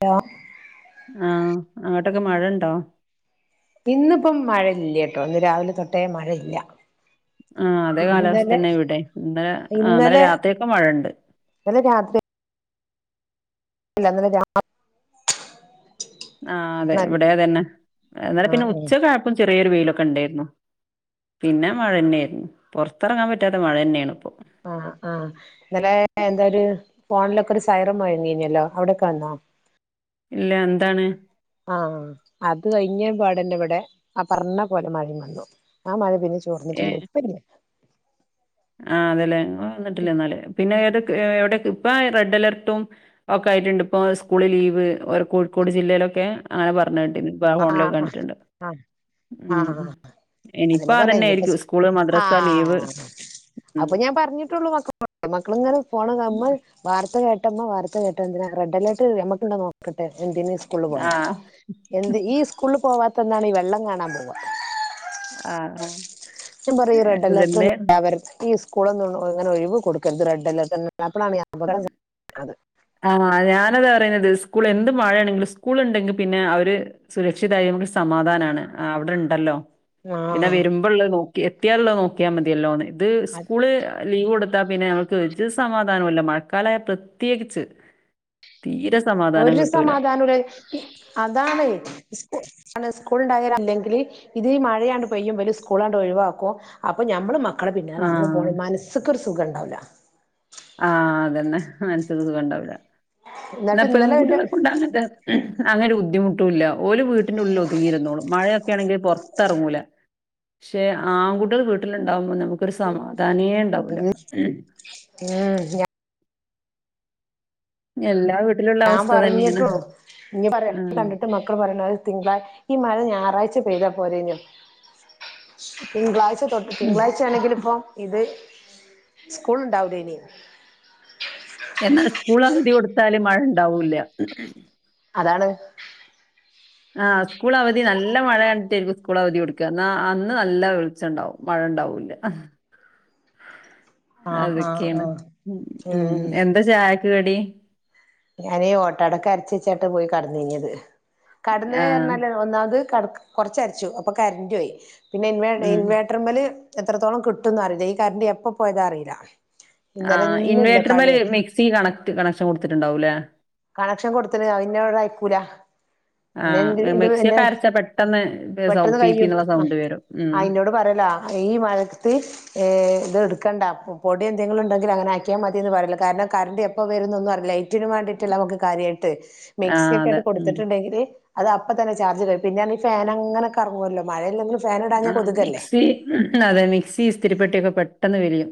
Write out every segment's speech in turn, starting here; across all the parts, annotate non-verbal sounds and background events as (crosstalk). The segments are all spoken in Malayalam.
ഹലോ ആ അങ്ങോട്ട്‌ ഒക്കെ മഴയുണ്ടോ ഇന്ന് ഇപ്പൊ മഴ ഇല്ലകെട്ടോ ഇന്ന് രാവിലെ തൊട്ടേ മഴ ഇല്ല ആ അതെ കാലാവസ്ഥ തന്നെയാ ഇവിടേം ഇന്നലെ അ ഇന്നലെ രാത്രിക്കാ മഴയൊണ്ട്. ഇല്ല ഇന്നലെ (unintelligible) ആ അതെ ഇവിടേം അതന്നെ ആ ഇന്നലെപിന്നെ ഉച്ച ക (unintelligible) ചെറിയൊരു വെയിലൊക്കെ ഒണ്ടെരുന്നു പിന്നെ മഴന്നരുന്നു പൊറത്തെറങ്ങാൻ പറ്റാത്ത മഴന്നേയാണ് ആ ആ ഇന്നലെ ന്തൊരു (unintelligible) (unintelligible) ല്ല എന്താണ് ആ അതുകഴിഞ്ഞപാടന്നവിടെ ആ പർണ പോലെ മഴേം വന്നു പിന്നെ ചോർന്നിട്ടില്ല (unintelligible) ആന്നല്ലേ (unintelligible) പിന്നെ ഏതോ (unintelligible) ഇപ്പോ റെഡ് അലെർട്ടും ഒക്കെ ആയിട്ട്ണ്ട് ഇപ്പോ സ്കൂളിൽ ലീവ് കോഴിക്കോട് ജില്ലേൽ ഒക്കെ അങ്ങനെ പറ (unintelligible) ആ ഫോണിലോക്ക ആ കണ്ടിട്ടുണ്ട് ആ ആ മ്മ് ഇന്നിപ്പോ പറഞ്ഞ അതന്നെ ആയിരിക്കും ഇനിയിപ്പ സ്കൂൾ മദറസ്സ ലീവ് ആ ഉം അപ്പൊ ഞാൻ പറഞ്ഞിട്ടുള്ളു മക്കളോട് മക്കൾ ഇങ്ങനെ ഫോൺ (unintelligible) (unintelligible) വാർത്ത കേട്ടന്തിനാ റെഡ്അലെർട് നമ്മക് ഇണ്ടോന്ന് നോക്കട്ടെ എന്തിന് സ്കൂളില് പോണ്ട ആഹ് ന്ത്‌ ഈ സ്കൂളില് പോവാത്തന്താണി വെള്ളം കാണാൻ പോവാം ആ അ ത്യം പറഞ്ഞ ഈ റെഡ്അലെർട് ഒന്നും (unintelligible) കൂളൊന്നും അങ്ങനെ ഒഴിവ് കൊടുക്കര്ത് റെഡ്അലെർട് ത (unintelligible) ആ ഞാനതാ പറയുന്നത് സ്കൂൾ എന്ത് മഴയാണെങ്കിലും സ്കൂൾ ഇണ്ടെങ്കിൽ പിന്നെ അവര് സുരക്ഷിതായി നമുക്ക് സമാധാനാണ് ആ അവിടെ ഇണ്ടല്ലോ ആ പിന്നെ വരുമ്പോള്ള നോ എത്തിയാലള്ളോ നോക്കിയാ മതിയല്ലോ ന്ന് അത് സ്കൂള് ലീവ് കൊടുത്ത ത്താ പിന്നെ നമുക്ക് ഒരു സമാധാനോം ഇല്ല മഴക്കാലായ പ്രത്യേകിച്ച് തീരെ സമാധാനം ഒരു കിട്ടൂല സമാധാനുല്ല അതാണ് ഉസ് (unintelligible) സ്കൂള് ഉണ്ടായൽ അല്ലെങ്കില് ഇത് ഈ മഴയാണ് പെയ്യുമ്പല് സ്കൂളാണ്ട് ഒഴിവാക്കും അപ്പൊ ഞമ്മള് മ മക്കളെ പിന്നാലെ നമ്മള് ആഹ് പോണം മനസ്ക്കൊരു സുഖം ഉണ്ടാവില്ല ആഹ് അതന്നെ മനസ്സിനൊരു സുഖം ഇണ്ടാവില്ല എന്നാ എന്നിട്ട് ഇന്നലെ പെൺകുട്ടികളെ എന്റെ കൊണ്ടങ്ങനത്തെ അങ്ങനെ ബുദ്ധിമുട്ടൂല്ല്യ ഓര് വീട്ടിന്റെ ഉള്ളിൽ ഒതുങ്ങിയിരുന്നോളും മഴയൊക്കെ ആണെങ്കിൽ പൊറത്ത്റങ്ങൂല പക്ഷെ ആൺകുട്ടികൾ വീട്ടിലുണ്ടാവുമ്പോൾ നമുക്കൊരു സമാധ തനിയേ ഇണ്ടാവൂല ഉം ഞാ എല്ലാ വീ ഞാൻ പറഞ്ഞിട്ടോ ഇനി പറയണ ആഹ്. കണ്ടിട്ട് മക്കൾ പറയണത് തിങ്കള ഈ മഴ ഞായറാഴ്ച്ച പെയ്താ പോരഞ്ഞ തിങ്കളാഴ്ച്ച തൊട്ട് ഉം. തിങ്കളാഴ് ആണെങ്കിലിപ്പോ ഇത് സ്കൂൾണ്ടാവൂല ഇനി എന്നാണ് സ്കൂൾ അവ വധി കൊടുത്താല് മഴ ഇണ്ടാവൂല്ല അതാണ് ആ സ്കൂൾ അവധി നല്ല മഴ കണ്ടിട്ടായിരിക്കും സ്കൂൾ അവധി കൊടുക്ക എന്നാ അന്ന് നല്ല വ് ച്ചണ്ടാവും മഴ ഇണ്ടാവൂല്ല ആഹ് ആഹ് അതൊക്കെയാണ് ആഹ് ഉം എന്താ ചായ് കടി ഞാനെ ഓട്ടടക്ക് അരച്ച് വെച്ചിട്ട് പോയി കെടന്നീങ്ങിയത് കടന്ന് ആഹ്. എന്നാൽ ഒന്നാമത് കറ്ക്ക് കൊറച്ചരച്ചു അപ്പൊ കരണ്ടോയി പിന്നെ ഇൻവേട് ഉം. ഇൻവേട്ടർമ്മല് എത്രത്തോളം കിട്ടൊന്നും അറിയില്ല ഈ കരണ്ട് എപ്പ പോയതാ അറിയില്ല ആ ഇന്നലെ ഒന്നും ഇല്ല ഇൻവേട്ടർമേല് കളിയാ മിക്സി കണക്ട് കണക്ഷൻ കൊടുത്തിട്ട കണക്ഷൻ കൊടുത്തല് ഇന്നട് അയക്കൂല പിന്നെ എന്തിര് ആഹ് എന്റെ എന്റെ മിക്സിയൊക്കെ അരച്ചാ പെട്ടെന്ന് സൗ പെട്ടന്ന് പീ കയും പീന്നുള്ള സൗണ്ട് വരും. ഉം. ആയിനോട് പറയൂല ഈ മഴത്ത് ഏ ഇത് എടുക്കണ്ട. പൊ പൊടി എന്തെങ്കിലും ഇണ്ടെങ്കി അങ്ങനെയാക്കിയാ മതിന്ന് പറയൂലോ കാരണം കറൻ്റ് എപ്പൊ വരൂന്നൊന്നും അറിയില്ല. ലൈ റ്റിന് വേണ്ടീട്ടില്ല കാര്യായിട്ട്. ആഹ് അതെ. മിക്‌സിയൊക്കെയാട്ട് ഉം. കൊടുത്തിട്ടുണ്ടെങ്കില് അതപ്പൊ തന്നെ ചാർജ് ഇടൽ. പിന്നെയാണെങ്കി ഫാന് അങ്ങനെ കറങ്ങൂലോ. മഴയില്ലെങ്കിലും ഫാൻ ആ ഇടാഞ്ഞാ കൊതുകല്ലേ മിക്സി അതെ മിക്സി ഇസ്‌തിരിപ്പെട്ടിയൊക്കെ പെട്ടെന്ന് വിരിയും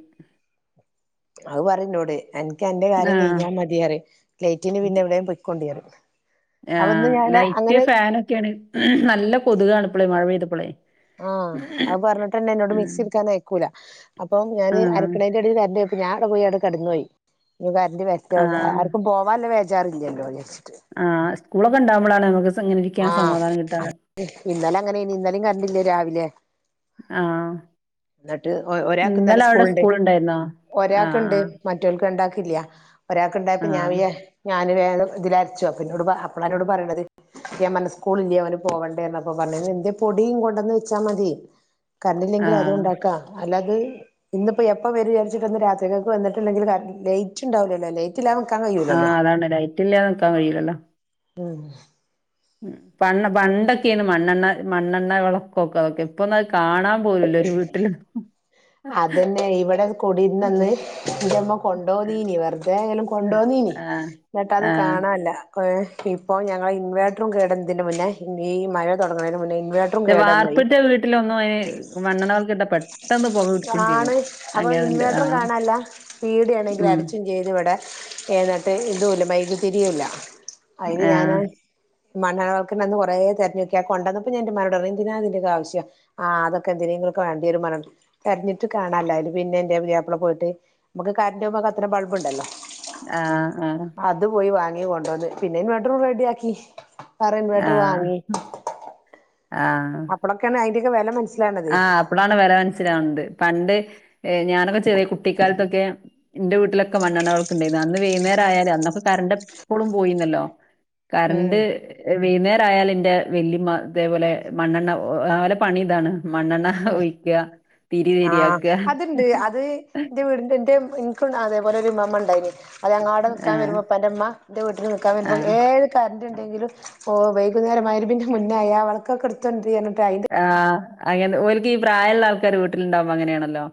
അതു പറയും എന്നോട് എനിയ്ക്ക് എൻ്റെ കാര്യം ആഹ് കഴിഞ്ഞാമതീ പറയും. ലൈറ്റിന് പിന്നെ എവിടേം പൊയ്ക്കൊണ്ടി പറയും ആ അപ്പൊ ഇന്ന് ഞാന് ലൈറ്റ് അങ്ങനെ ഫാന് ഒക്കെയാണ് നല്ല കൊതുകാണ് ഇപ്പളേ മഴ പെയ്തു പ്പളേ ആ അതു പറഞ്ഞിട്ടന്നെ എന്നോട് ഉം മിക്സി എടുക്കാൻ അയക്കൂല അപ്പൊ ഞാന് ആഹ് അരയ്ക്കണേൻ്റെ ഇടയില് കറൻ്റ് ഞാൻ അവിടെപ്പോയി അവിടെ കെടന്നുപോയി ഇനി വര ൻ്റെ ബസ് സ്റ്റോപ്പ് ആർക്കും പോവാനുള്ള ബേ ജാറില്ലല്ലോന്ന് വിചാരിച്ചു. ആ സ്‌കൂളൊക്കെ ഉണ്ടാവുമ്പോളാണ് ഇമ്മക്ക് ആ ഇന്നലെ അങ്ങനേണ്. ഇന്നലേം കറൻ്റില്ല രാവിലെ. ആഹ് എന്നിട്ട് ഒരാൾക്ക് ഇന്നലെ അവിടെ സ്‌കൂളുണ്ട്. സ്കൂൾ ഉണ്ടായിരുന്നോ ഒരാൾക്കിണ്ട്. ആഹ് മറ്റോർക്ക് രണ്ടാക്ക് ക്കില്ല ഒരാക്ക് ഉണ്ടായപ്പോ ഞാൻ ആഹ് വിചാ ഞാ (unintelligible) വിചാരിച്ചു. അപ്പൊ എന്നോട് പ അപ്പോളാ എന്നോട് പറയണത് യവന് സ്കൂള് ഇല്ലേ. അവന് പോവണ്ടേന്നൊക്കെ പറഞ്ഞ് പൊടീം കൊണ്ടന്നു വച്ചാ മതി കറണ്ടില്ലെങ്കി അതും ആഹ് ഉണ്ടാക്കാ അല്ലാ അത്. ഇന്ന് ഇപ്പൊ എപ്പോ വരുംന്ന് വിചാരിച്ചിട്ടാ. ഇന്ന് രാത്രിക്കക്ക് വന്നിട്ടുണ്ടെങ്കില് കറൻ ലൈറ്റ് ഉണ്ടാവില്ലല്ലോ ലൈ ആ അതാണ് ലൈറ്റ് ഇല്ലാതെ നിക്കാൻ കഴിയൂല്ലല്ലോ ആ ഉം പണ്ണ് പണ്ടൊക്കെയാണ് മൺ ണ്ണെണ്ണ മണ്ണെണ്ണ വെളൊക്കൊക്കെ വയ്ക്ക. ഇപ്പൊന്നും അത് കാ അതെന്നെ. ഇവിടെ ഒരു കൊടീരിൻ്റെ ഉം അന്ന് എൻ്റമ്മ കൊണ്ടോന്നിനി. വെറുതെയായാ ലും ആഹ് കൊണ്ടോന്നീനി. എന്നിട്ടത് ആഹ് കാണാനില്ല ഇപ്പേ. ഇപ്പൊ ഞങ്ങടെ ഇൻവർട്ടറുംകേടാ ഇതിനുമുന്നേ ഈ മഴതൊടങ്ങണേന് മുന്നേ ഇൻവേർട്ടറും ൻ്റെ കേടന്നോയി വാർപ്പിൻ്റെ വീട്ടിലൊന്നും ഈ വണ്ണം ണവക്കിണ്ട പെട്ട് ആണ് അപ്പോഇൻവെട്ടറും ആഹ് കാണാല്ല പീടിയാണെങ്കിൽ ഉം അടച്ചും ചെയ്ത് ഇവിടെ എന്നിട്ട് ഇതുല്ല മൈക് തിരിയുല്ല ആഹ് അയില്ഞാന് മണ്ണെണ്ണ വെളക്ക് ഞന്ന്കുറെ ത്തെരഞ്ഞോക്കി അ കൊണ്ടന്നപ്പംഞാൻ ന്റെ മ്മാനോടർഞ്ഞ് എന്തിനാ തിന്റെ ക്കെ ആവശ്യം ആ അതൊക്കെ എന്തിനെയെങ്കിലും വേണ്ടിവരും തെരഞ്ഞ്ട്ട് കാണാല്ല ആയിലിന്റെ പുത്യാപ്ല പോയിട്ട് മക്ക്കറന്റ് പോകുമ്പോ കത്ത്ണ ബൾബ്ണ്ടല്ലോ ആ ആ ഈ കൊണ്ടെന്ന് പിന്നെ ബെഡ്റൂം റെഡിയാക്കി വേറെ ഇൻവെട്ടർ ആഹ് വാങ്ങി അപ്ലക്കാണ് അയിന്റെ വേല മന ആ അപ്ല ളാണ് വെല മനസ്സിലാകുന്നത് പണ്ട് ഞാനൊക്കെ ചെറിയ കുട്ടിക്കാത്തെക്കെ ന്റെവീട്ടിലൊക്കെ മണ്ണണ്ണ വെളക്ണ്ടായിന്നു അന്ന് വൈന്നേരായാല് അന്നൊക്കെ കറന്റ് എപ്പോളും പോയി നല്ലോ ഉം കാരന്റ് വൈന്നാ ഓലെ എന്റെ വല്യമ്മ ഇതേപോലെ മണ്ണെണ്ണ ഓല പണി താണ് ആ തിരിയാക്കുക അതുണ്ട് അത് ന്റെ വീടിന്റെ ഇൻക്കുണ്ടതേപോലെ ഒരുമ്മ മ്മണ്ടാ യിനി അത് ങ്ങാട് നിൽക്കാൻ വരുമ്പോൾ പ്പന്റെമ്മ എന്റെ വീട്ടിൽ നിൽക്കാൻ ആഹ് വരുമ്പോ ഏത് കര ന്ത് ണ്ടകിലുംഒ വൈകുനേരം മുന്നേ ആയാൽ വെളക്കെക്കെ ഇട് തൊണ്ടരി ആ ഓലക്കിപ്രായം ള്ള ആകാര് വീട്ടിലുണ്ടാകുംബോങ്ങനെയാണല്ലോ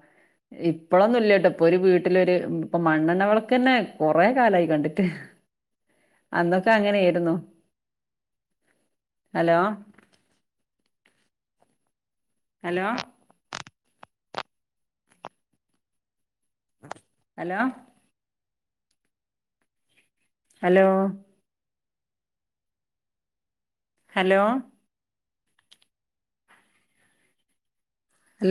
ഇപ്പോഴൊന്നും ഇല്ലാട്ടോ ഒരു വീട്ടിലെ ഒരു മണ്ണെണ്ണ വിളക്ക് ഓക്കേ കുറെ കാലായി കണ്ടിട്ട് അങ്ങനെയായിരുന്നു hello hello hello hello hello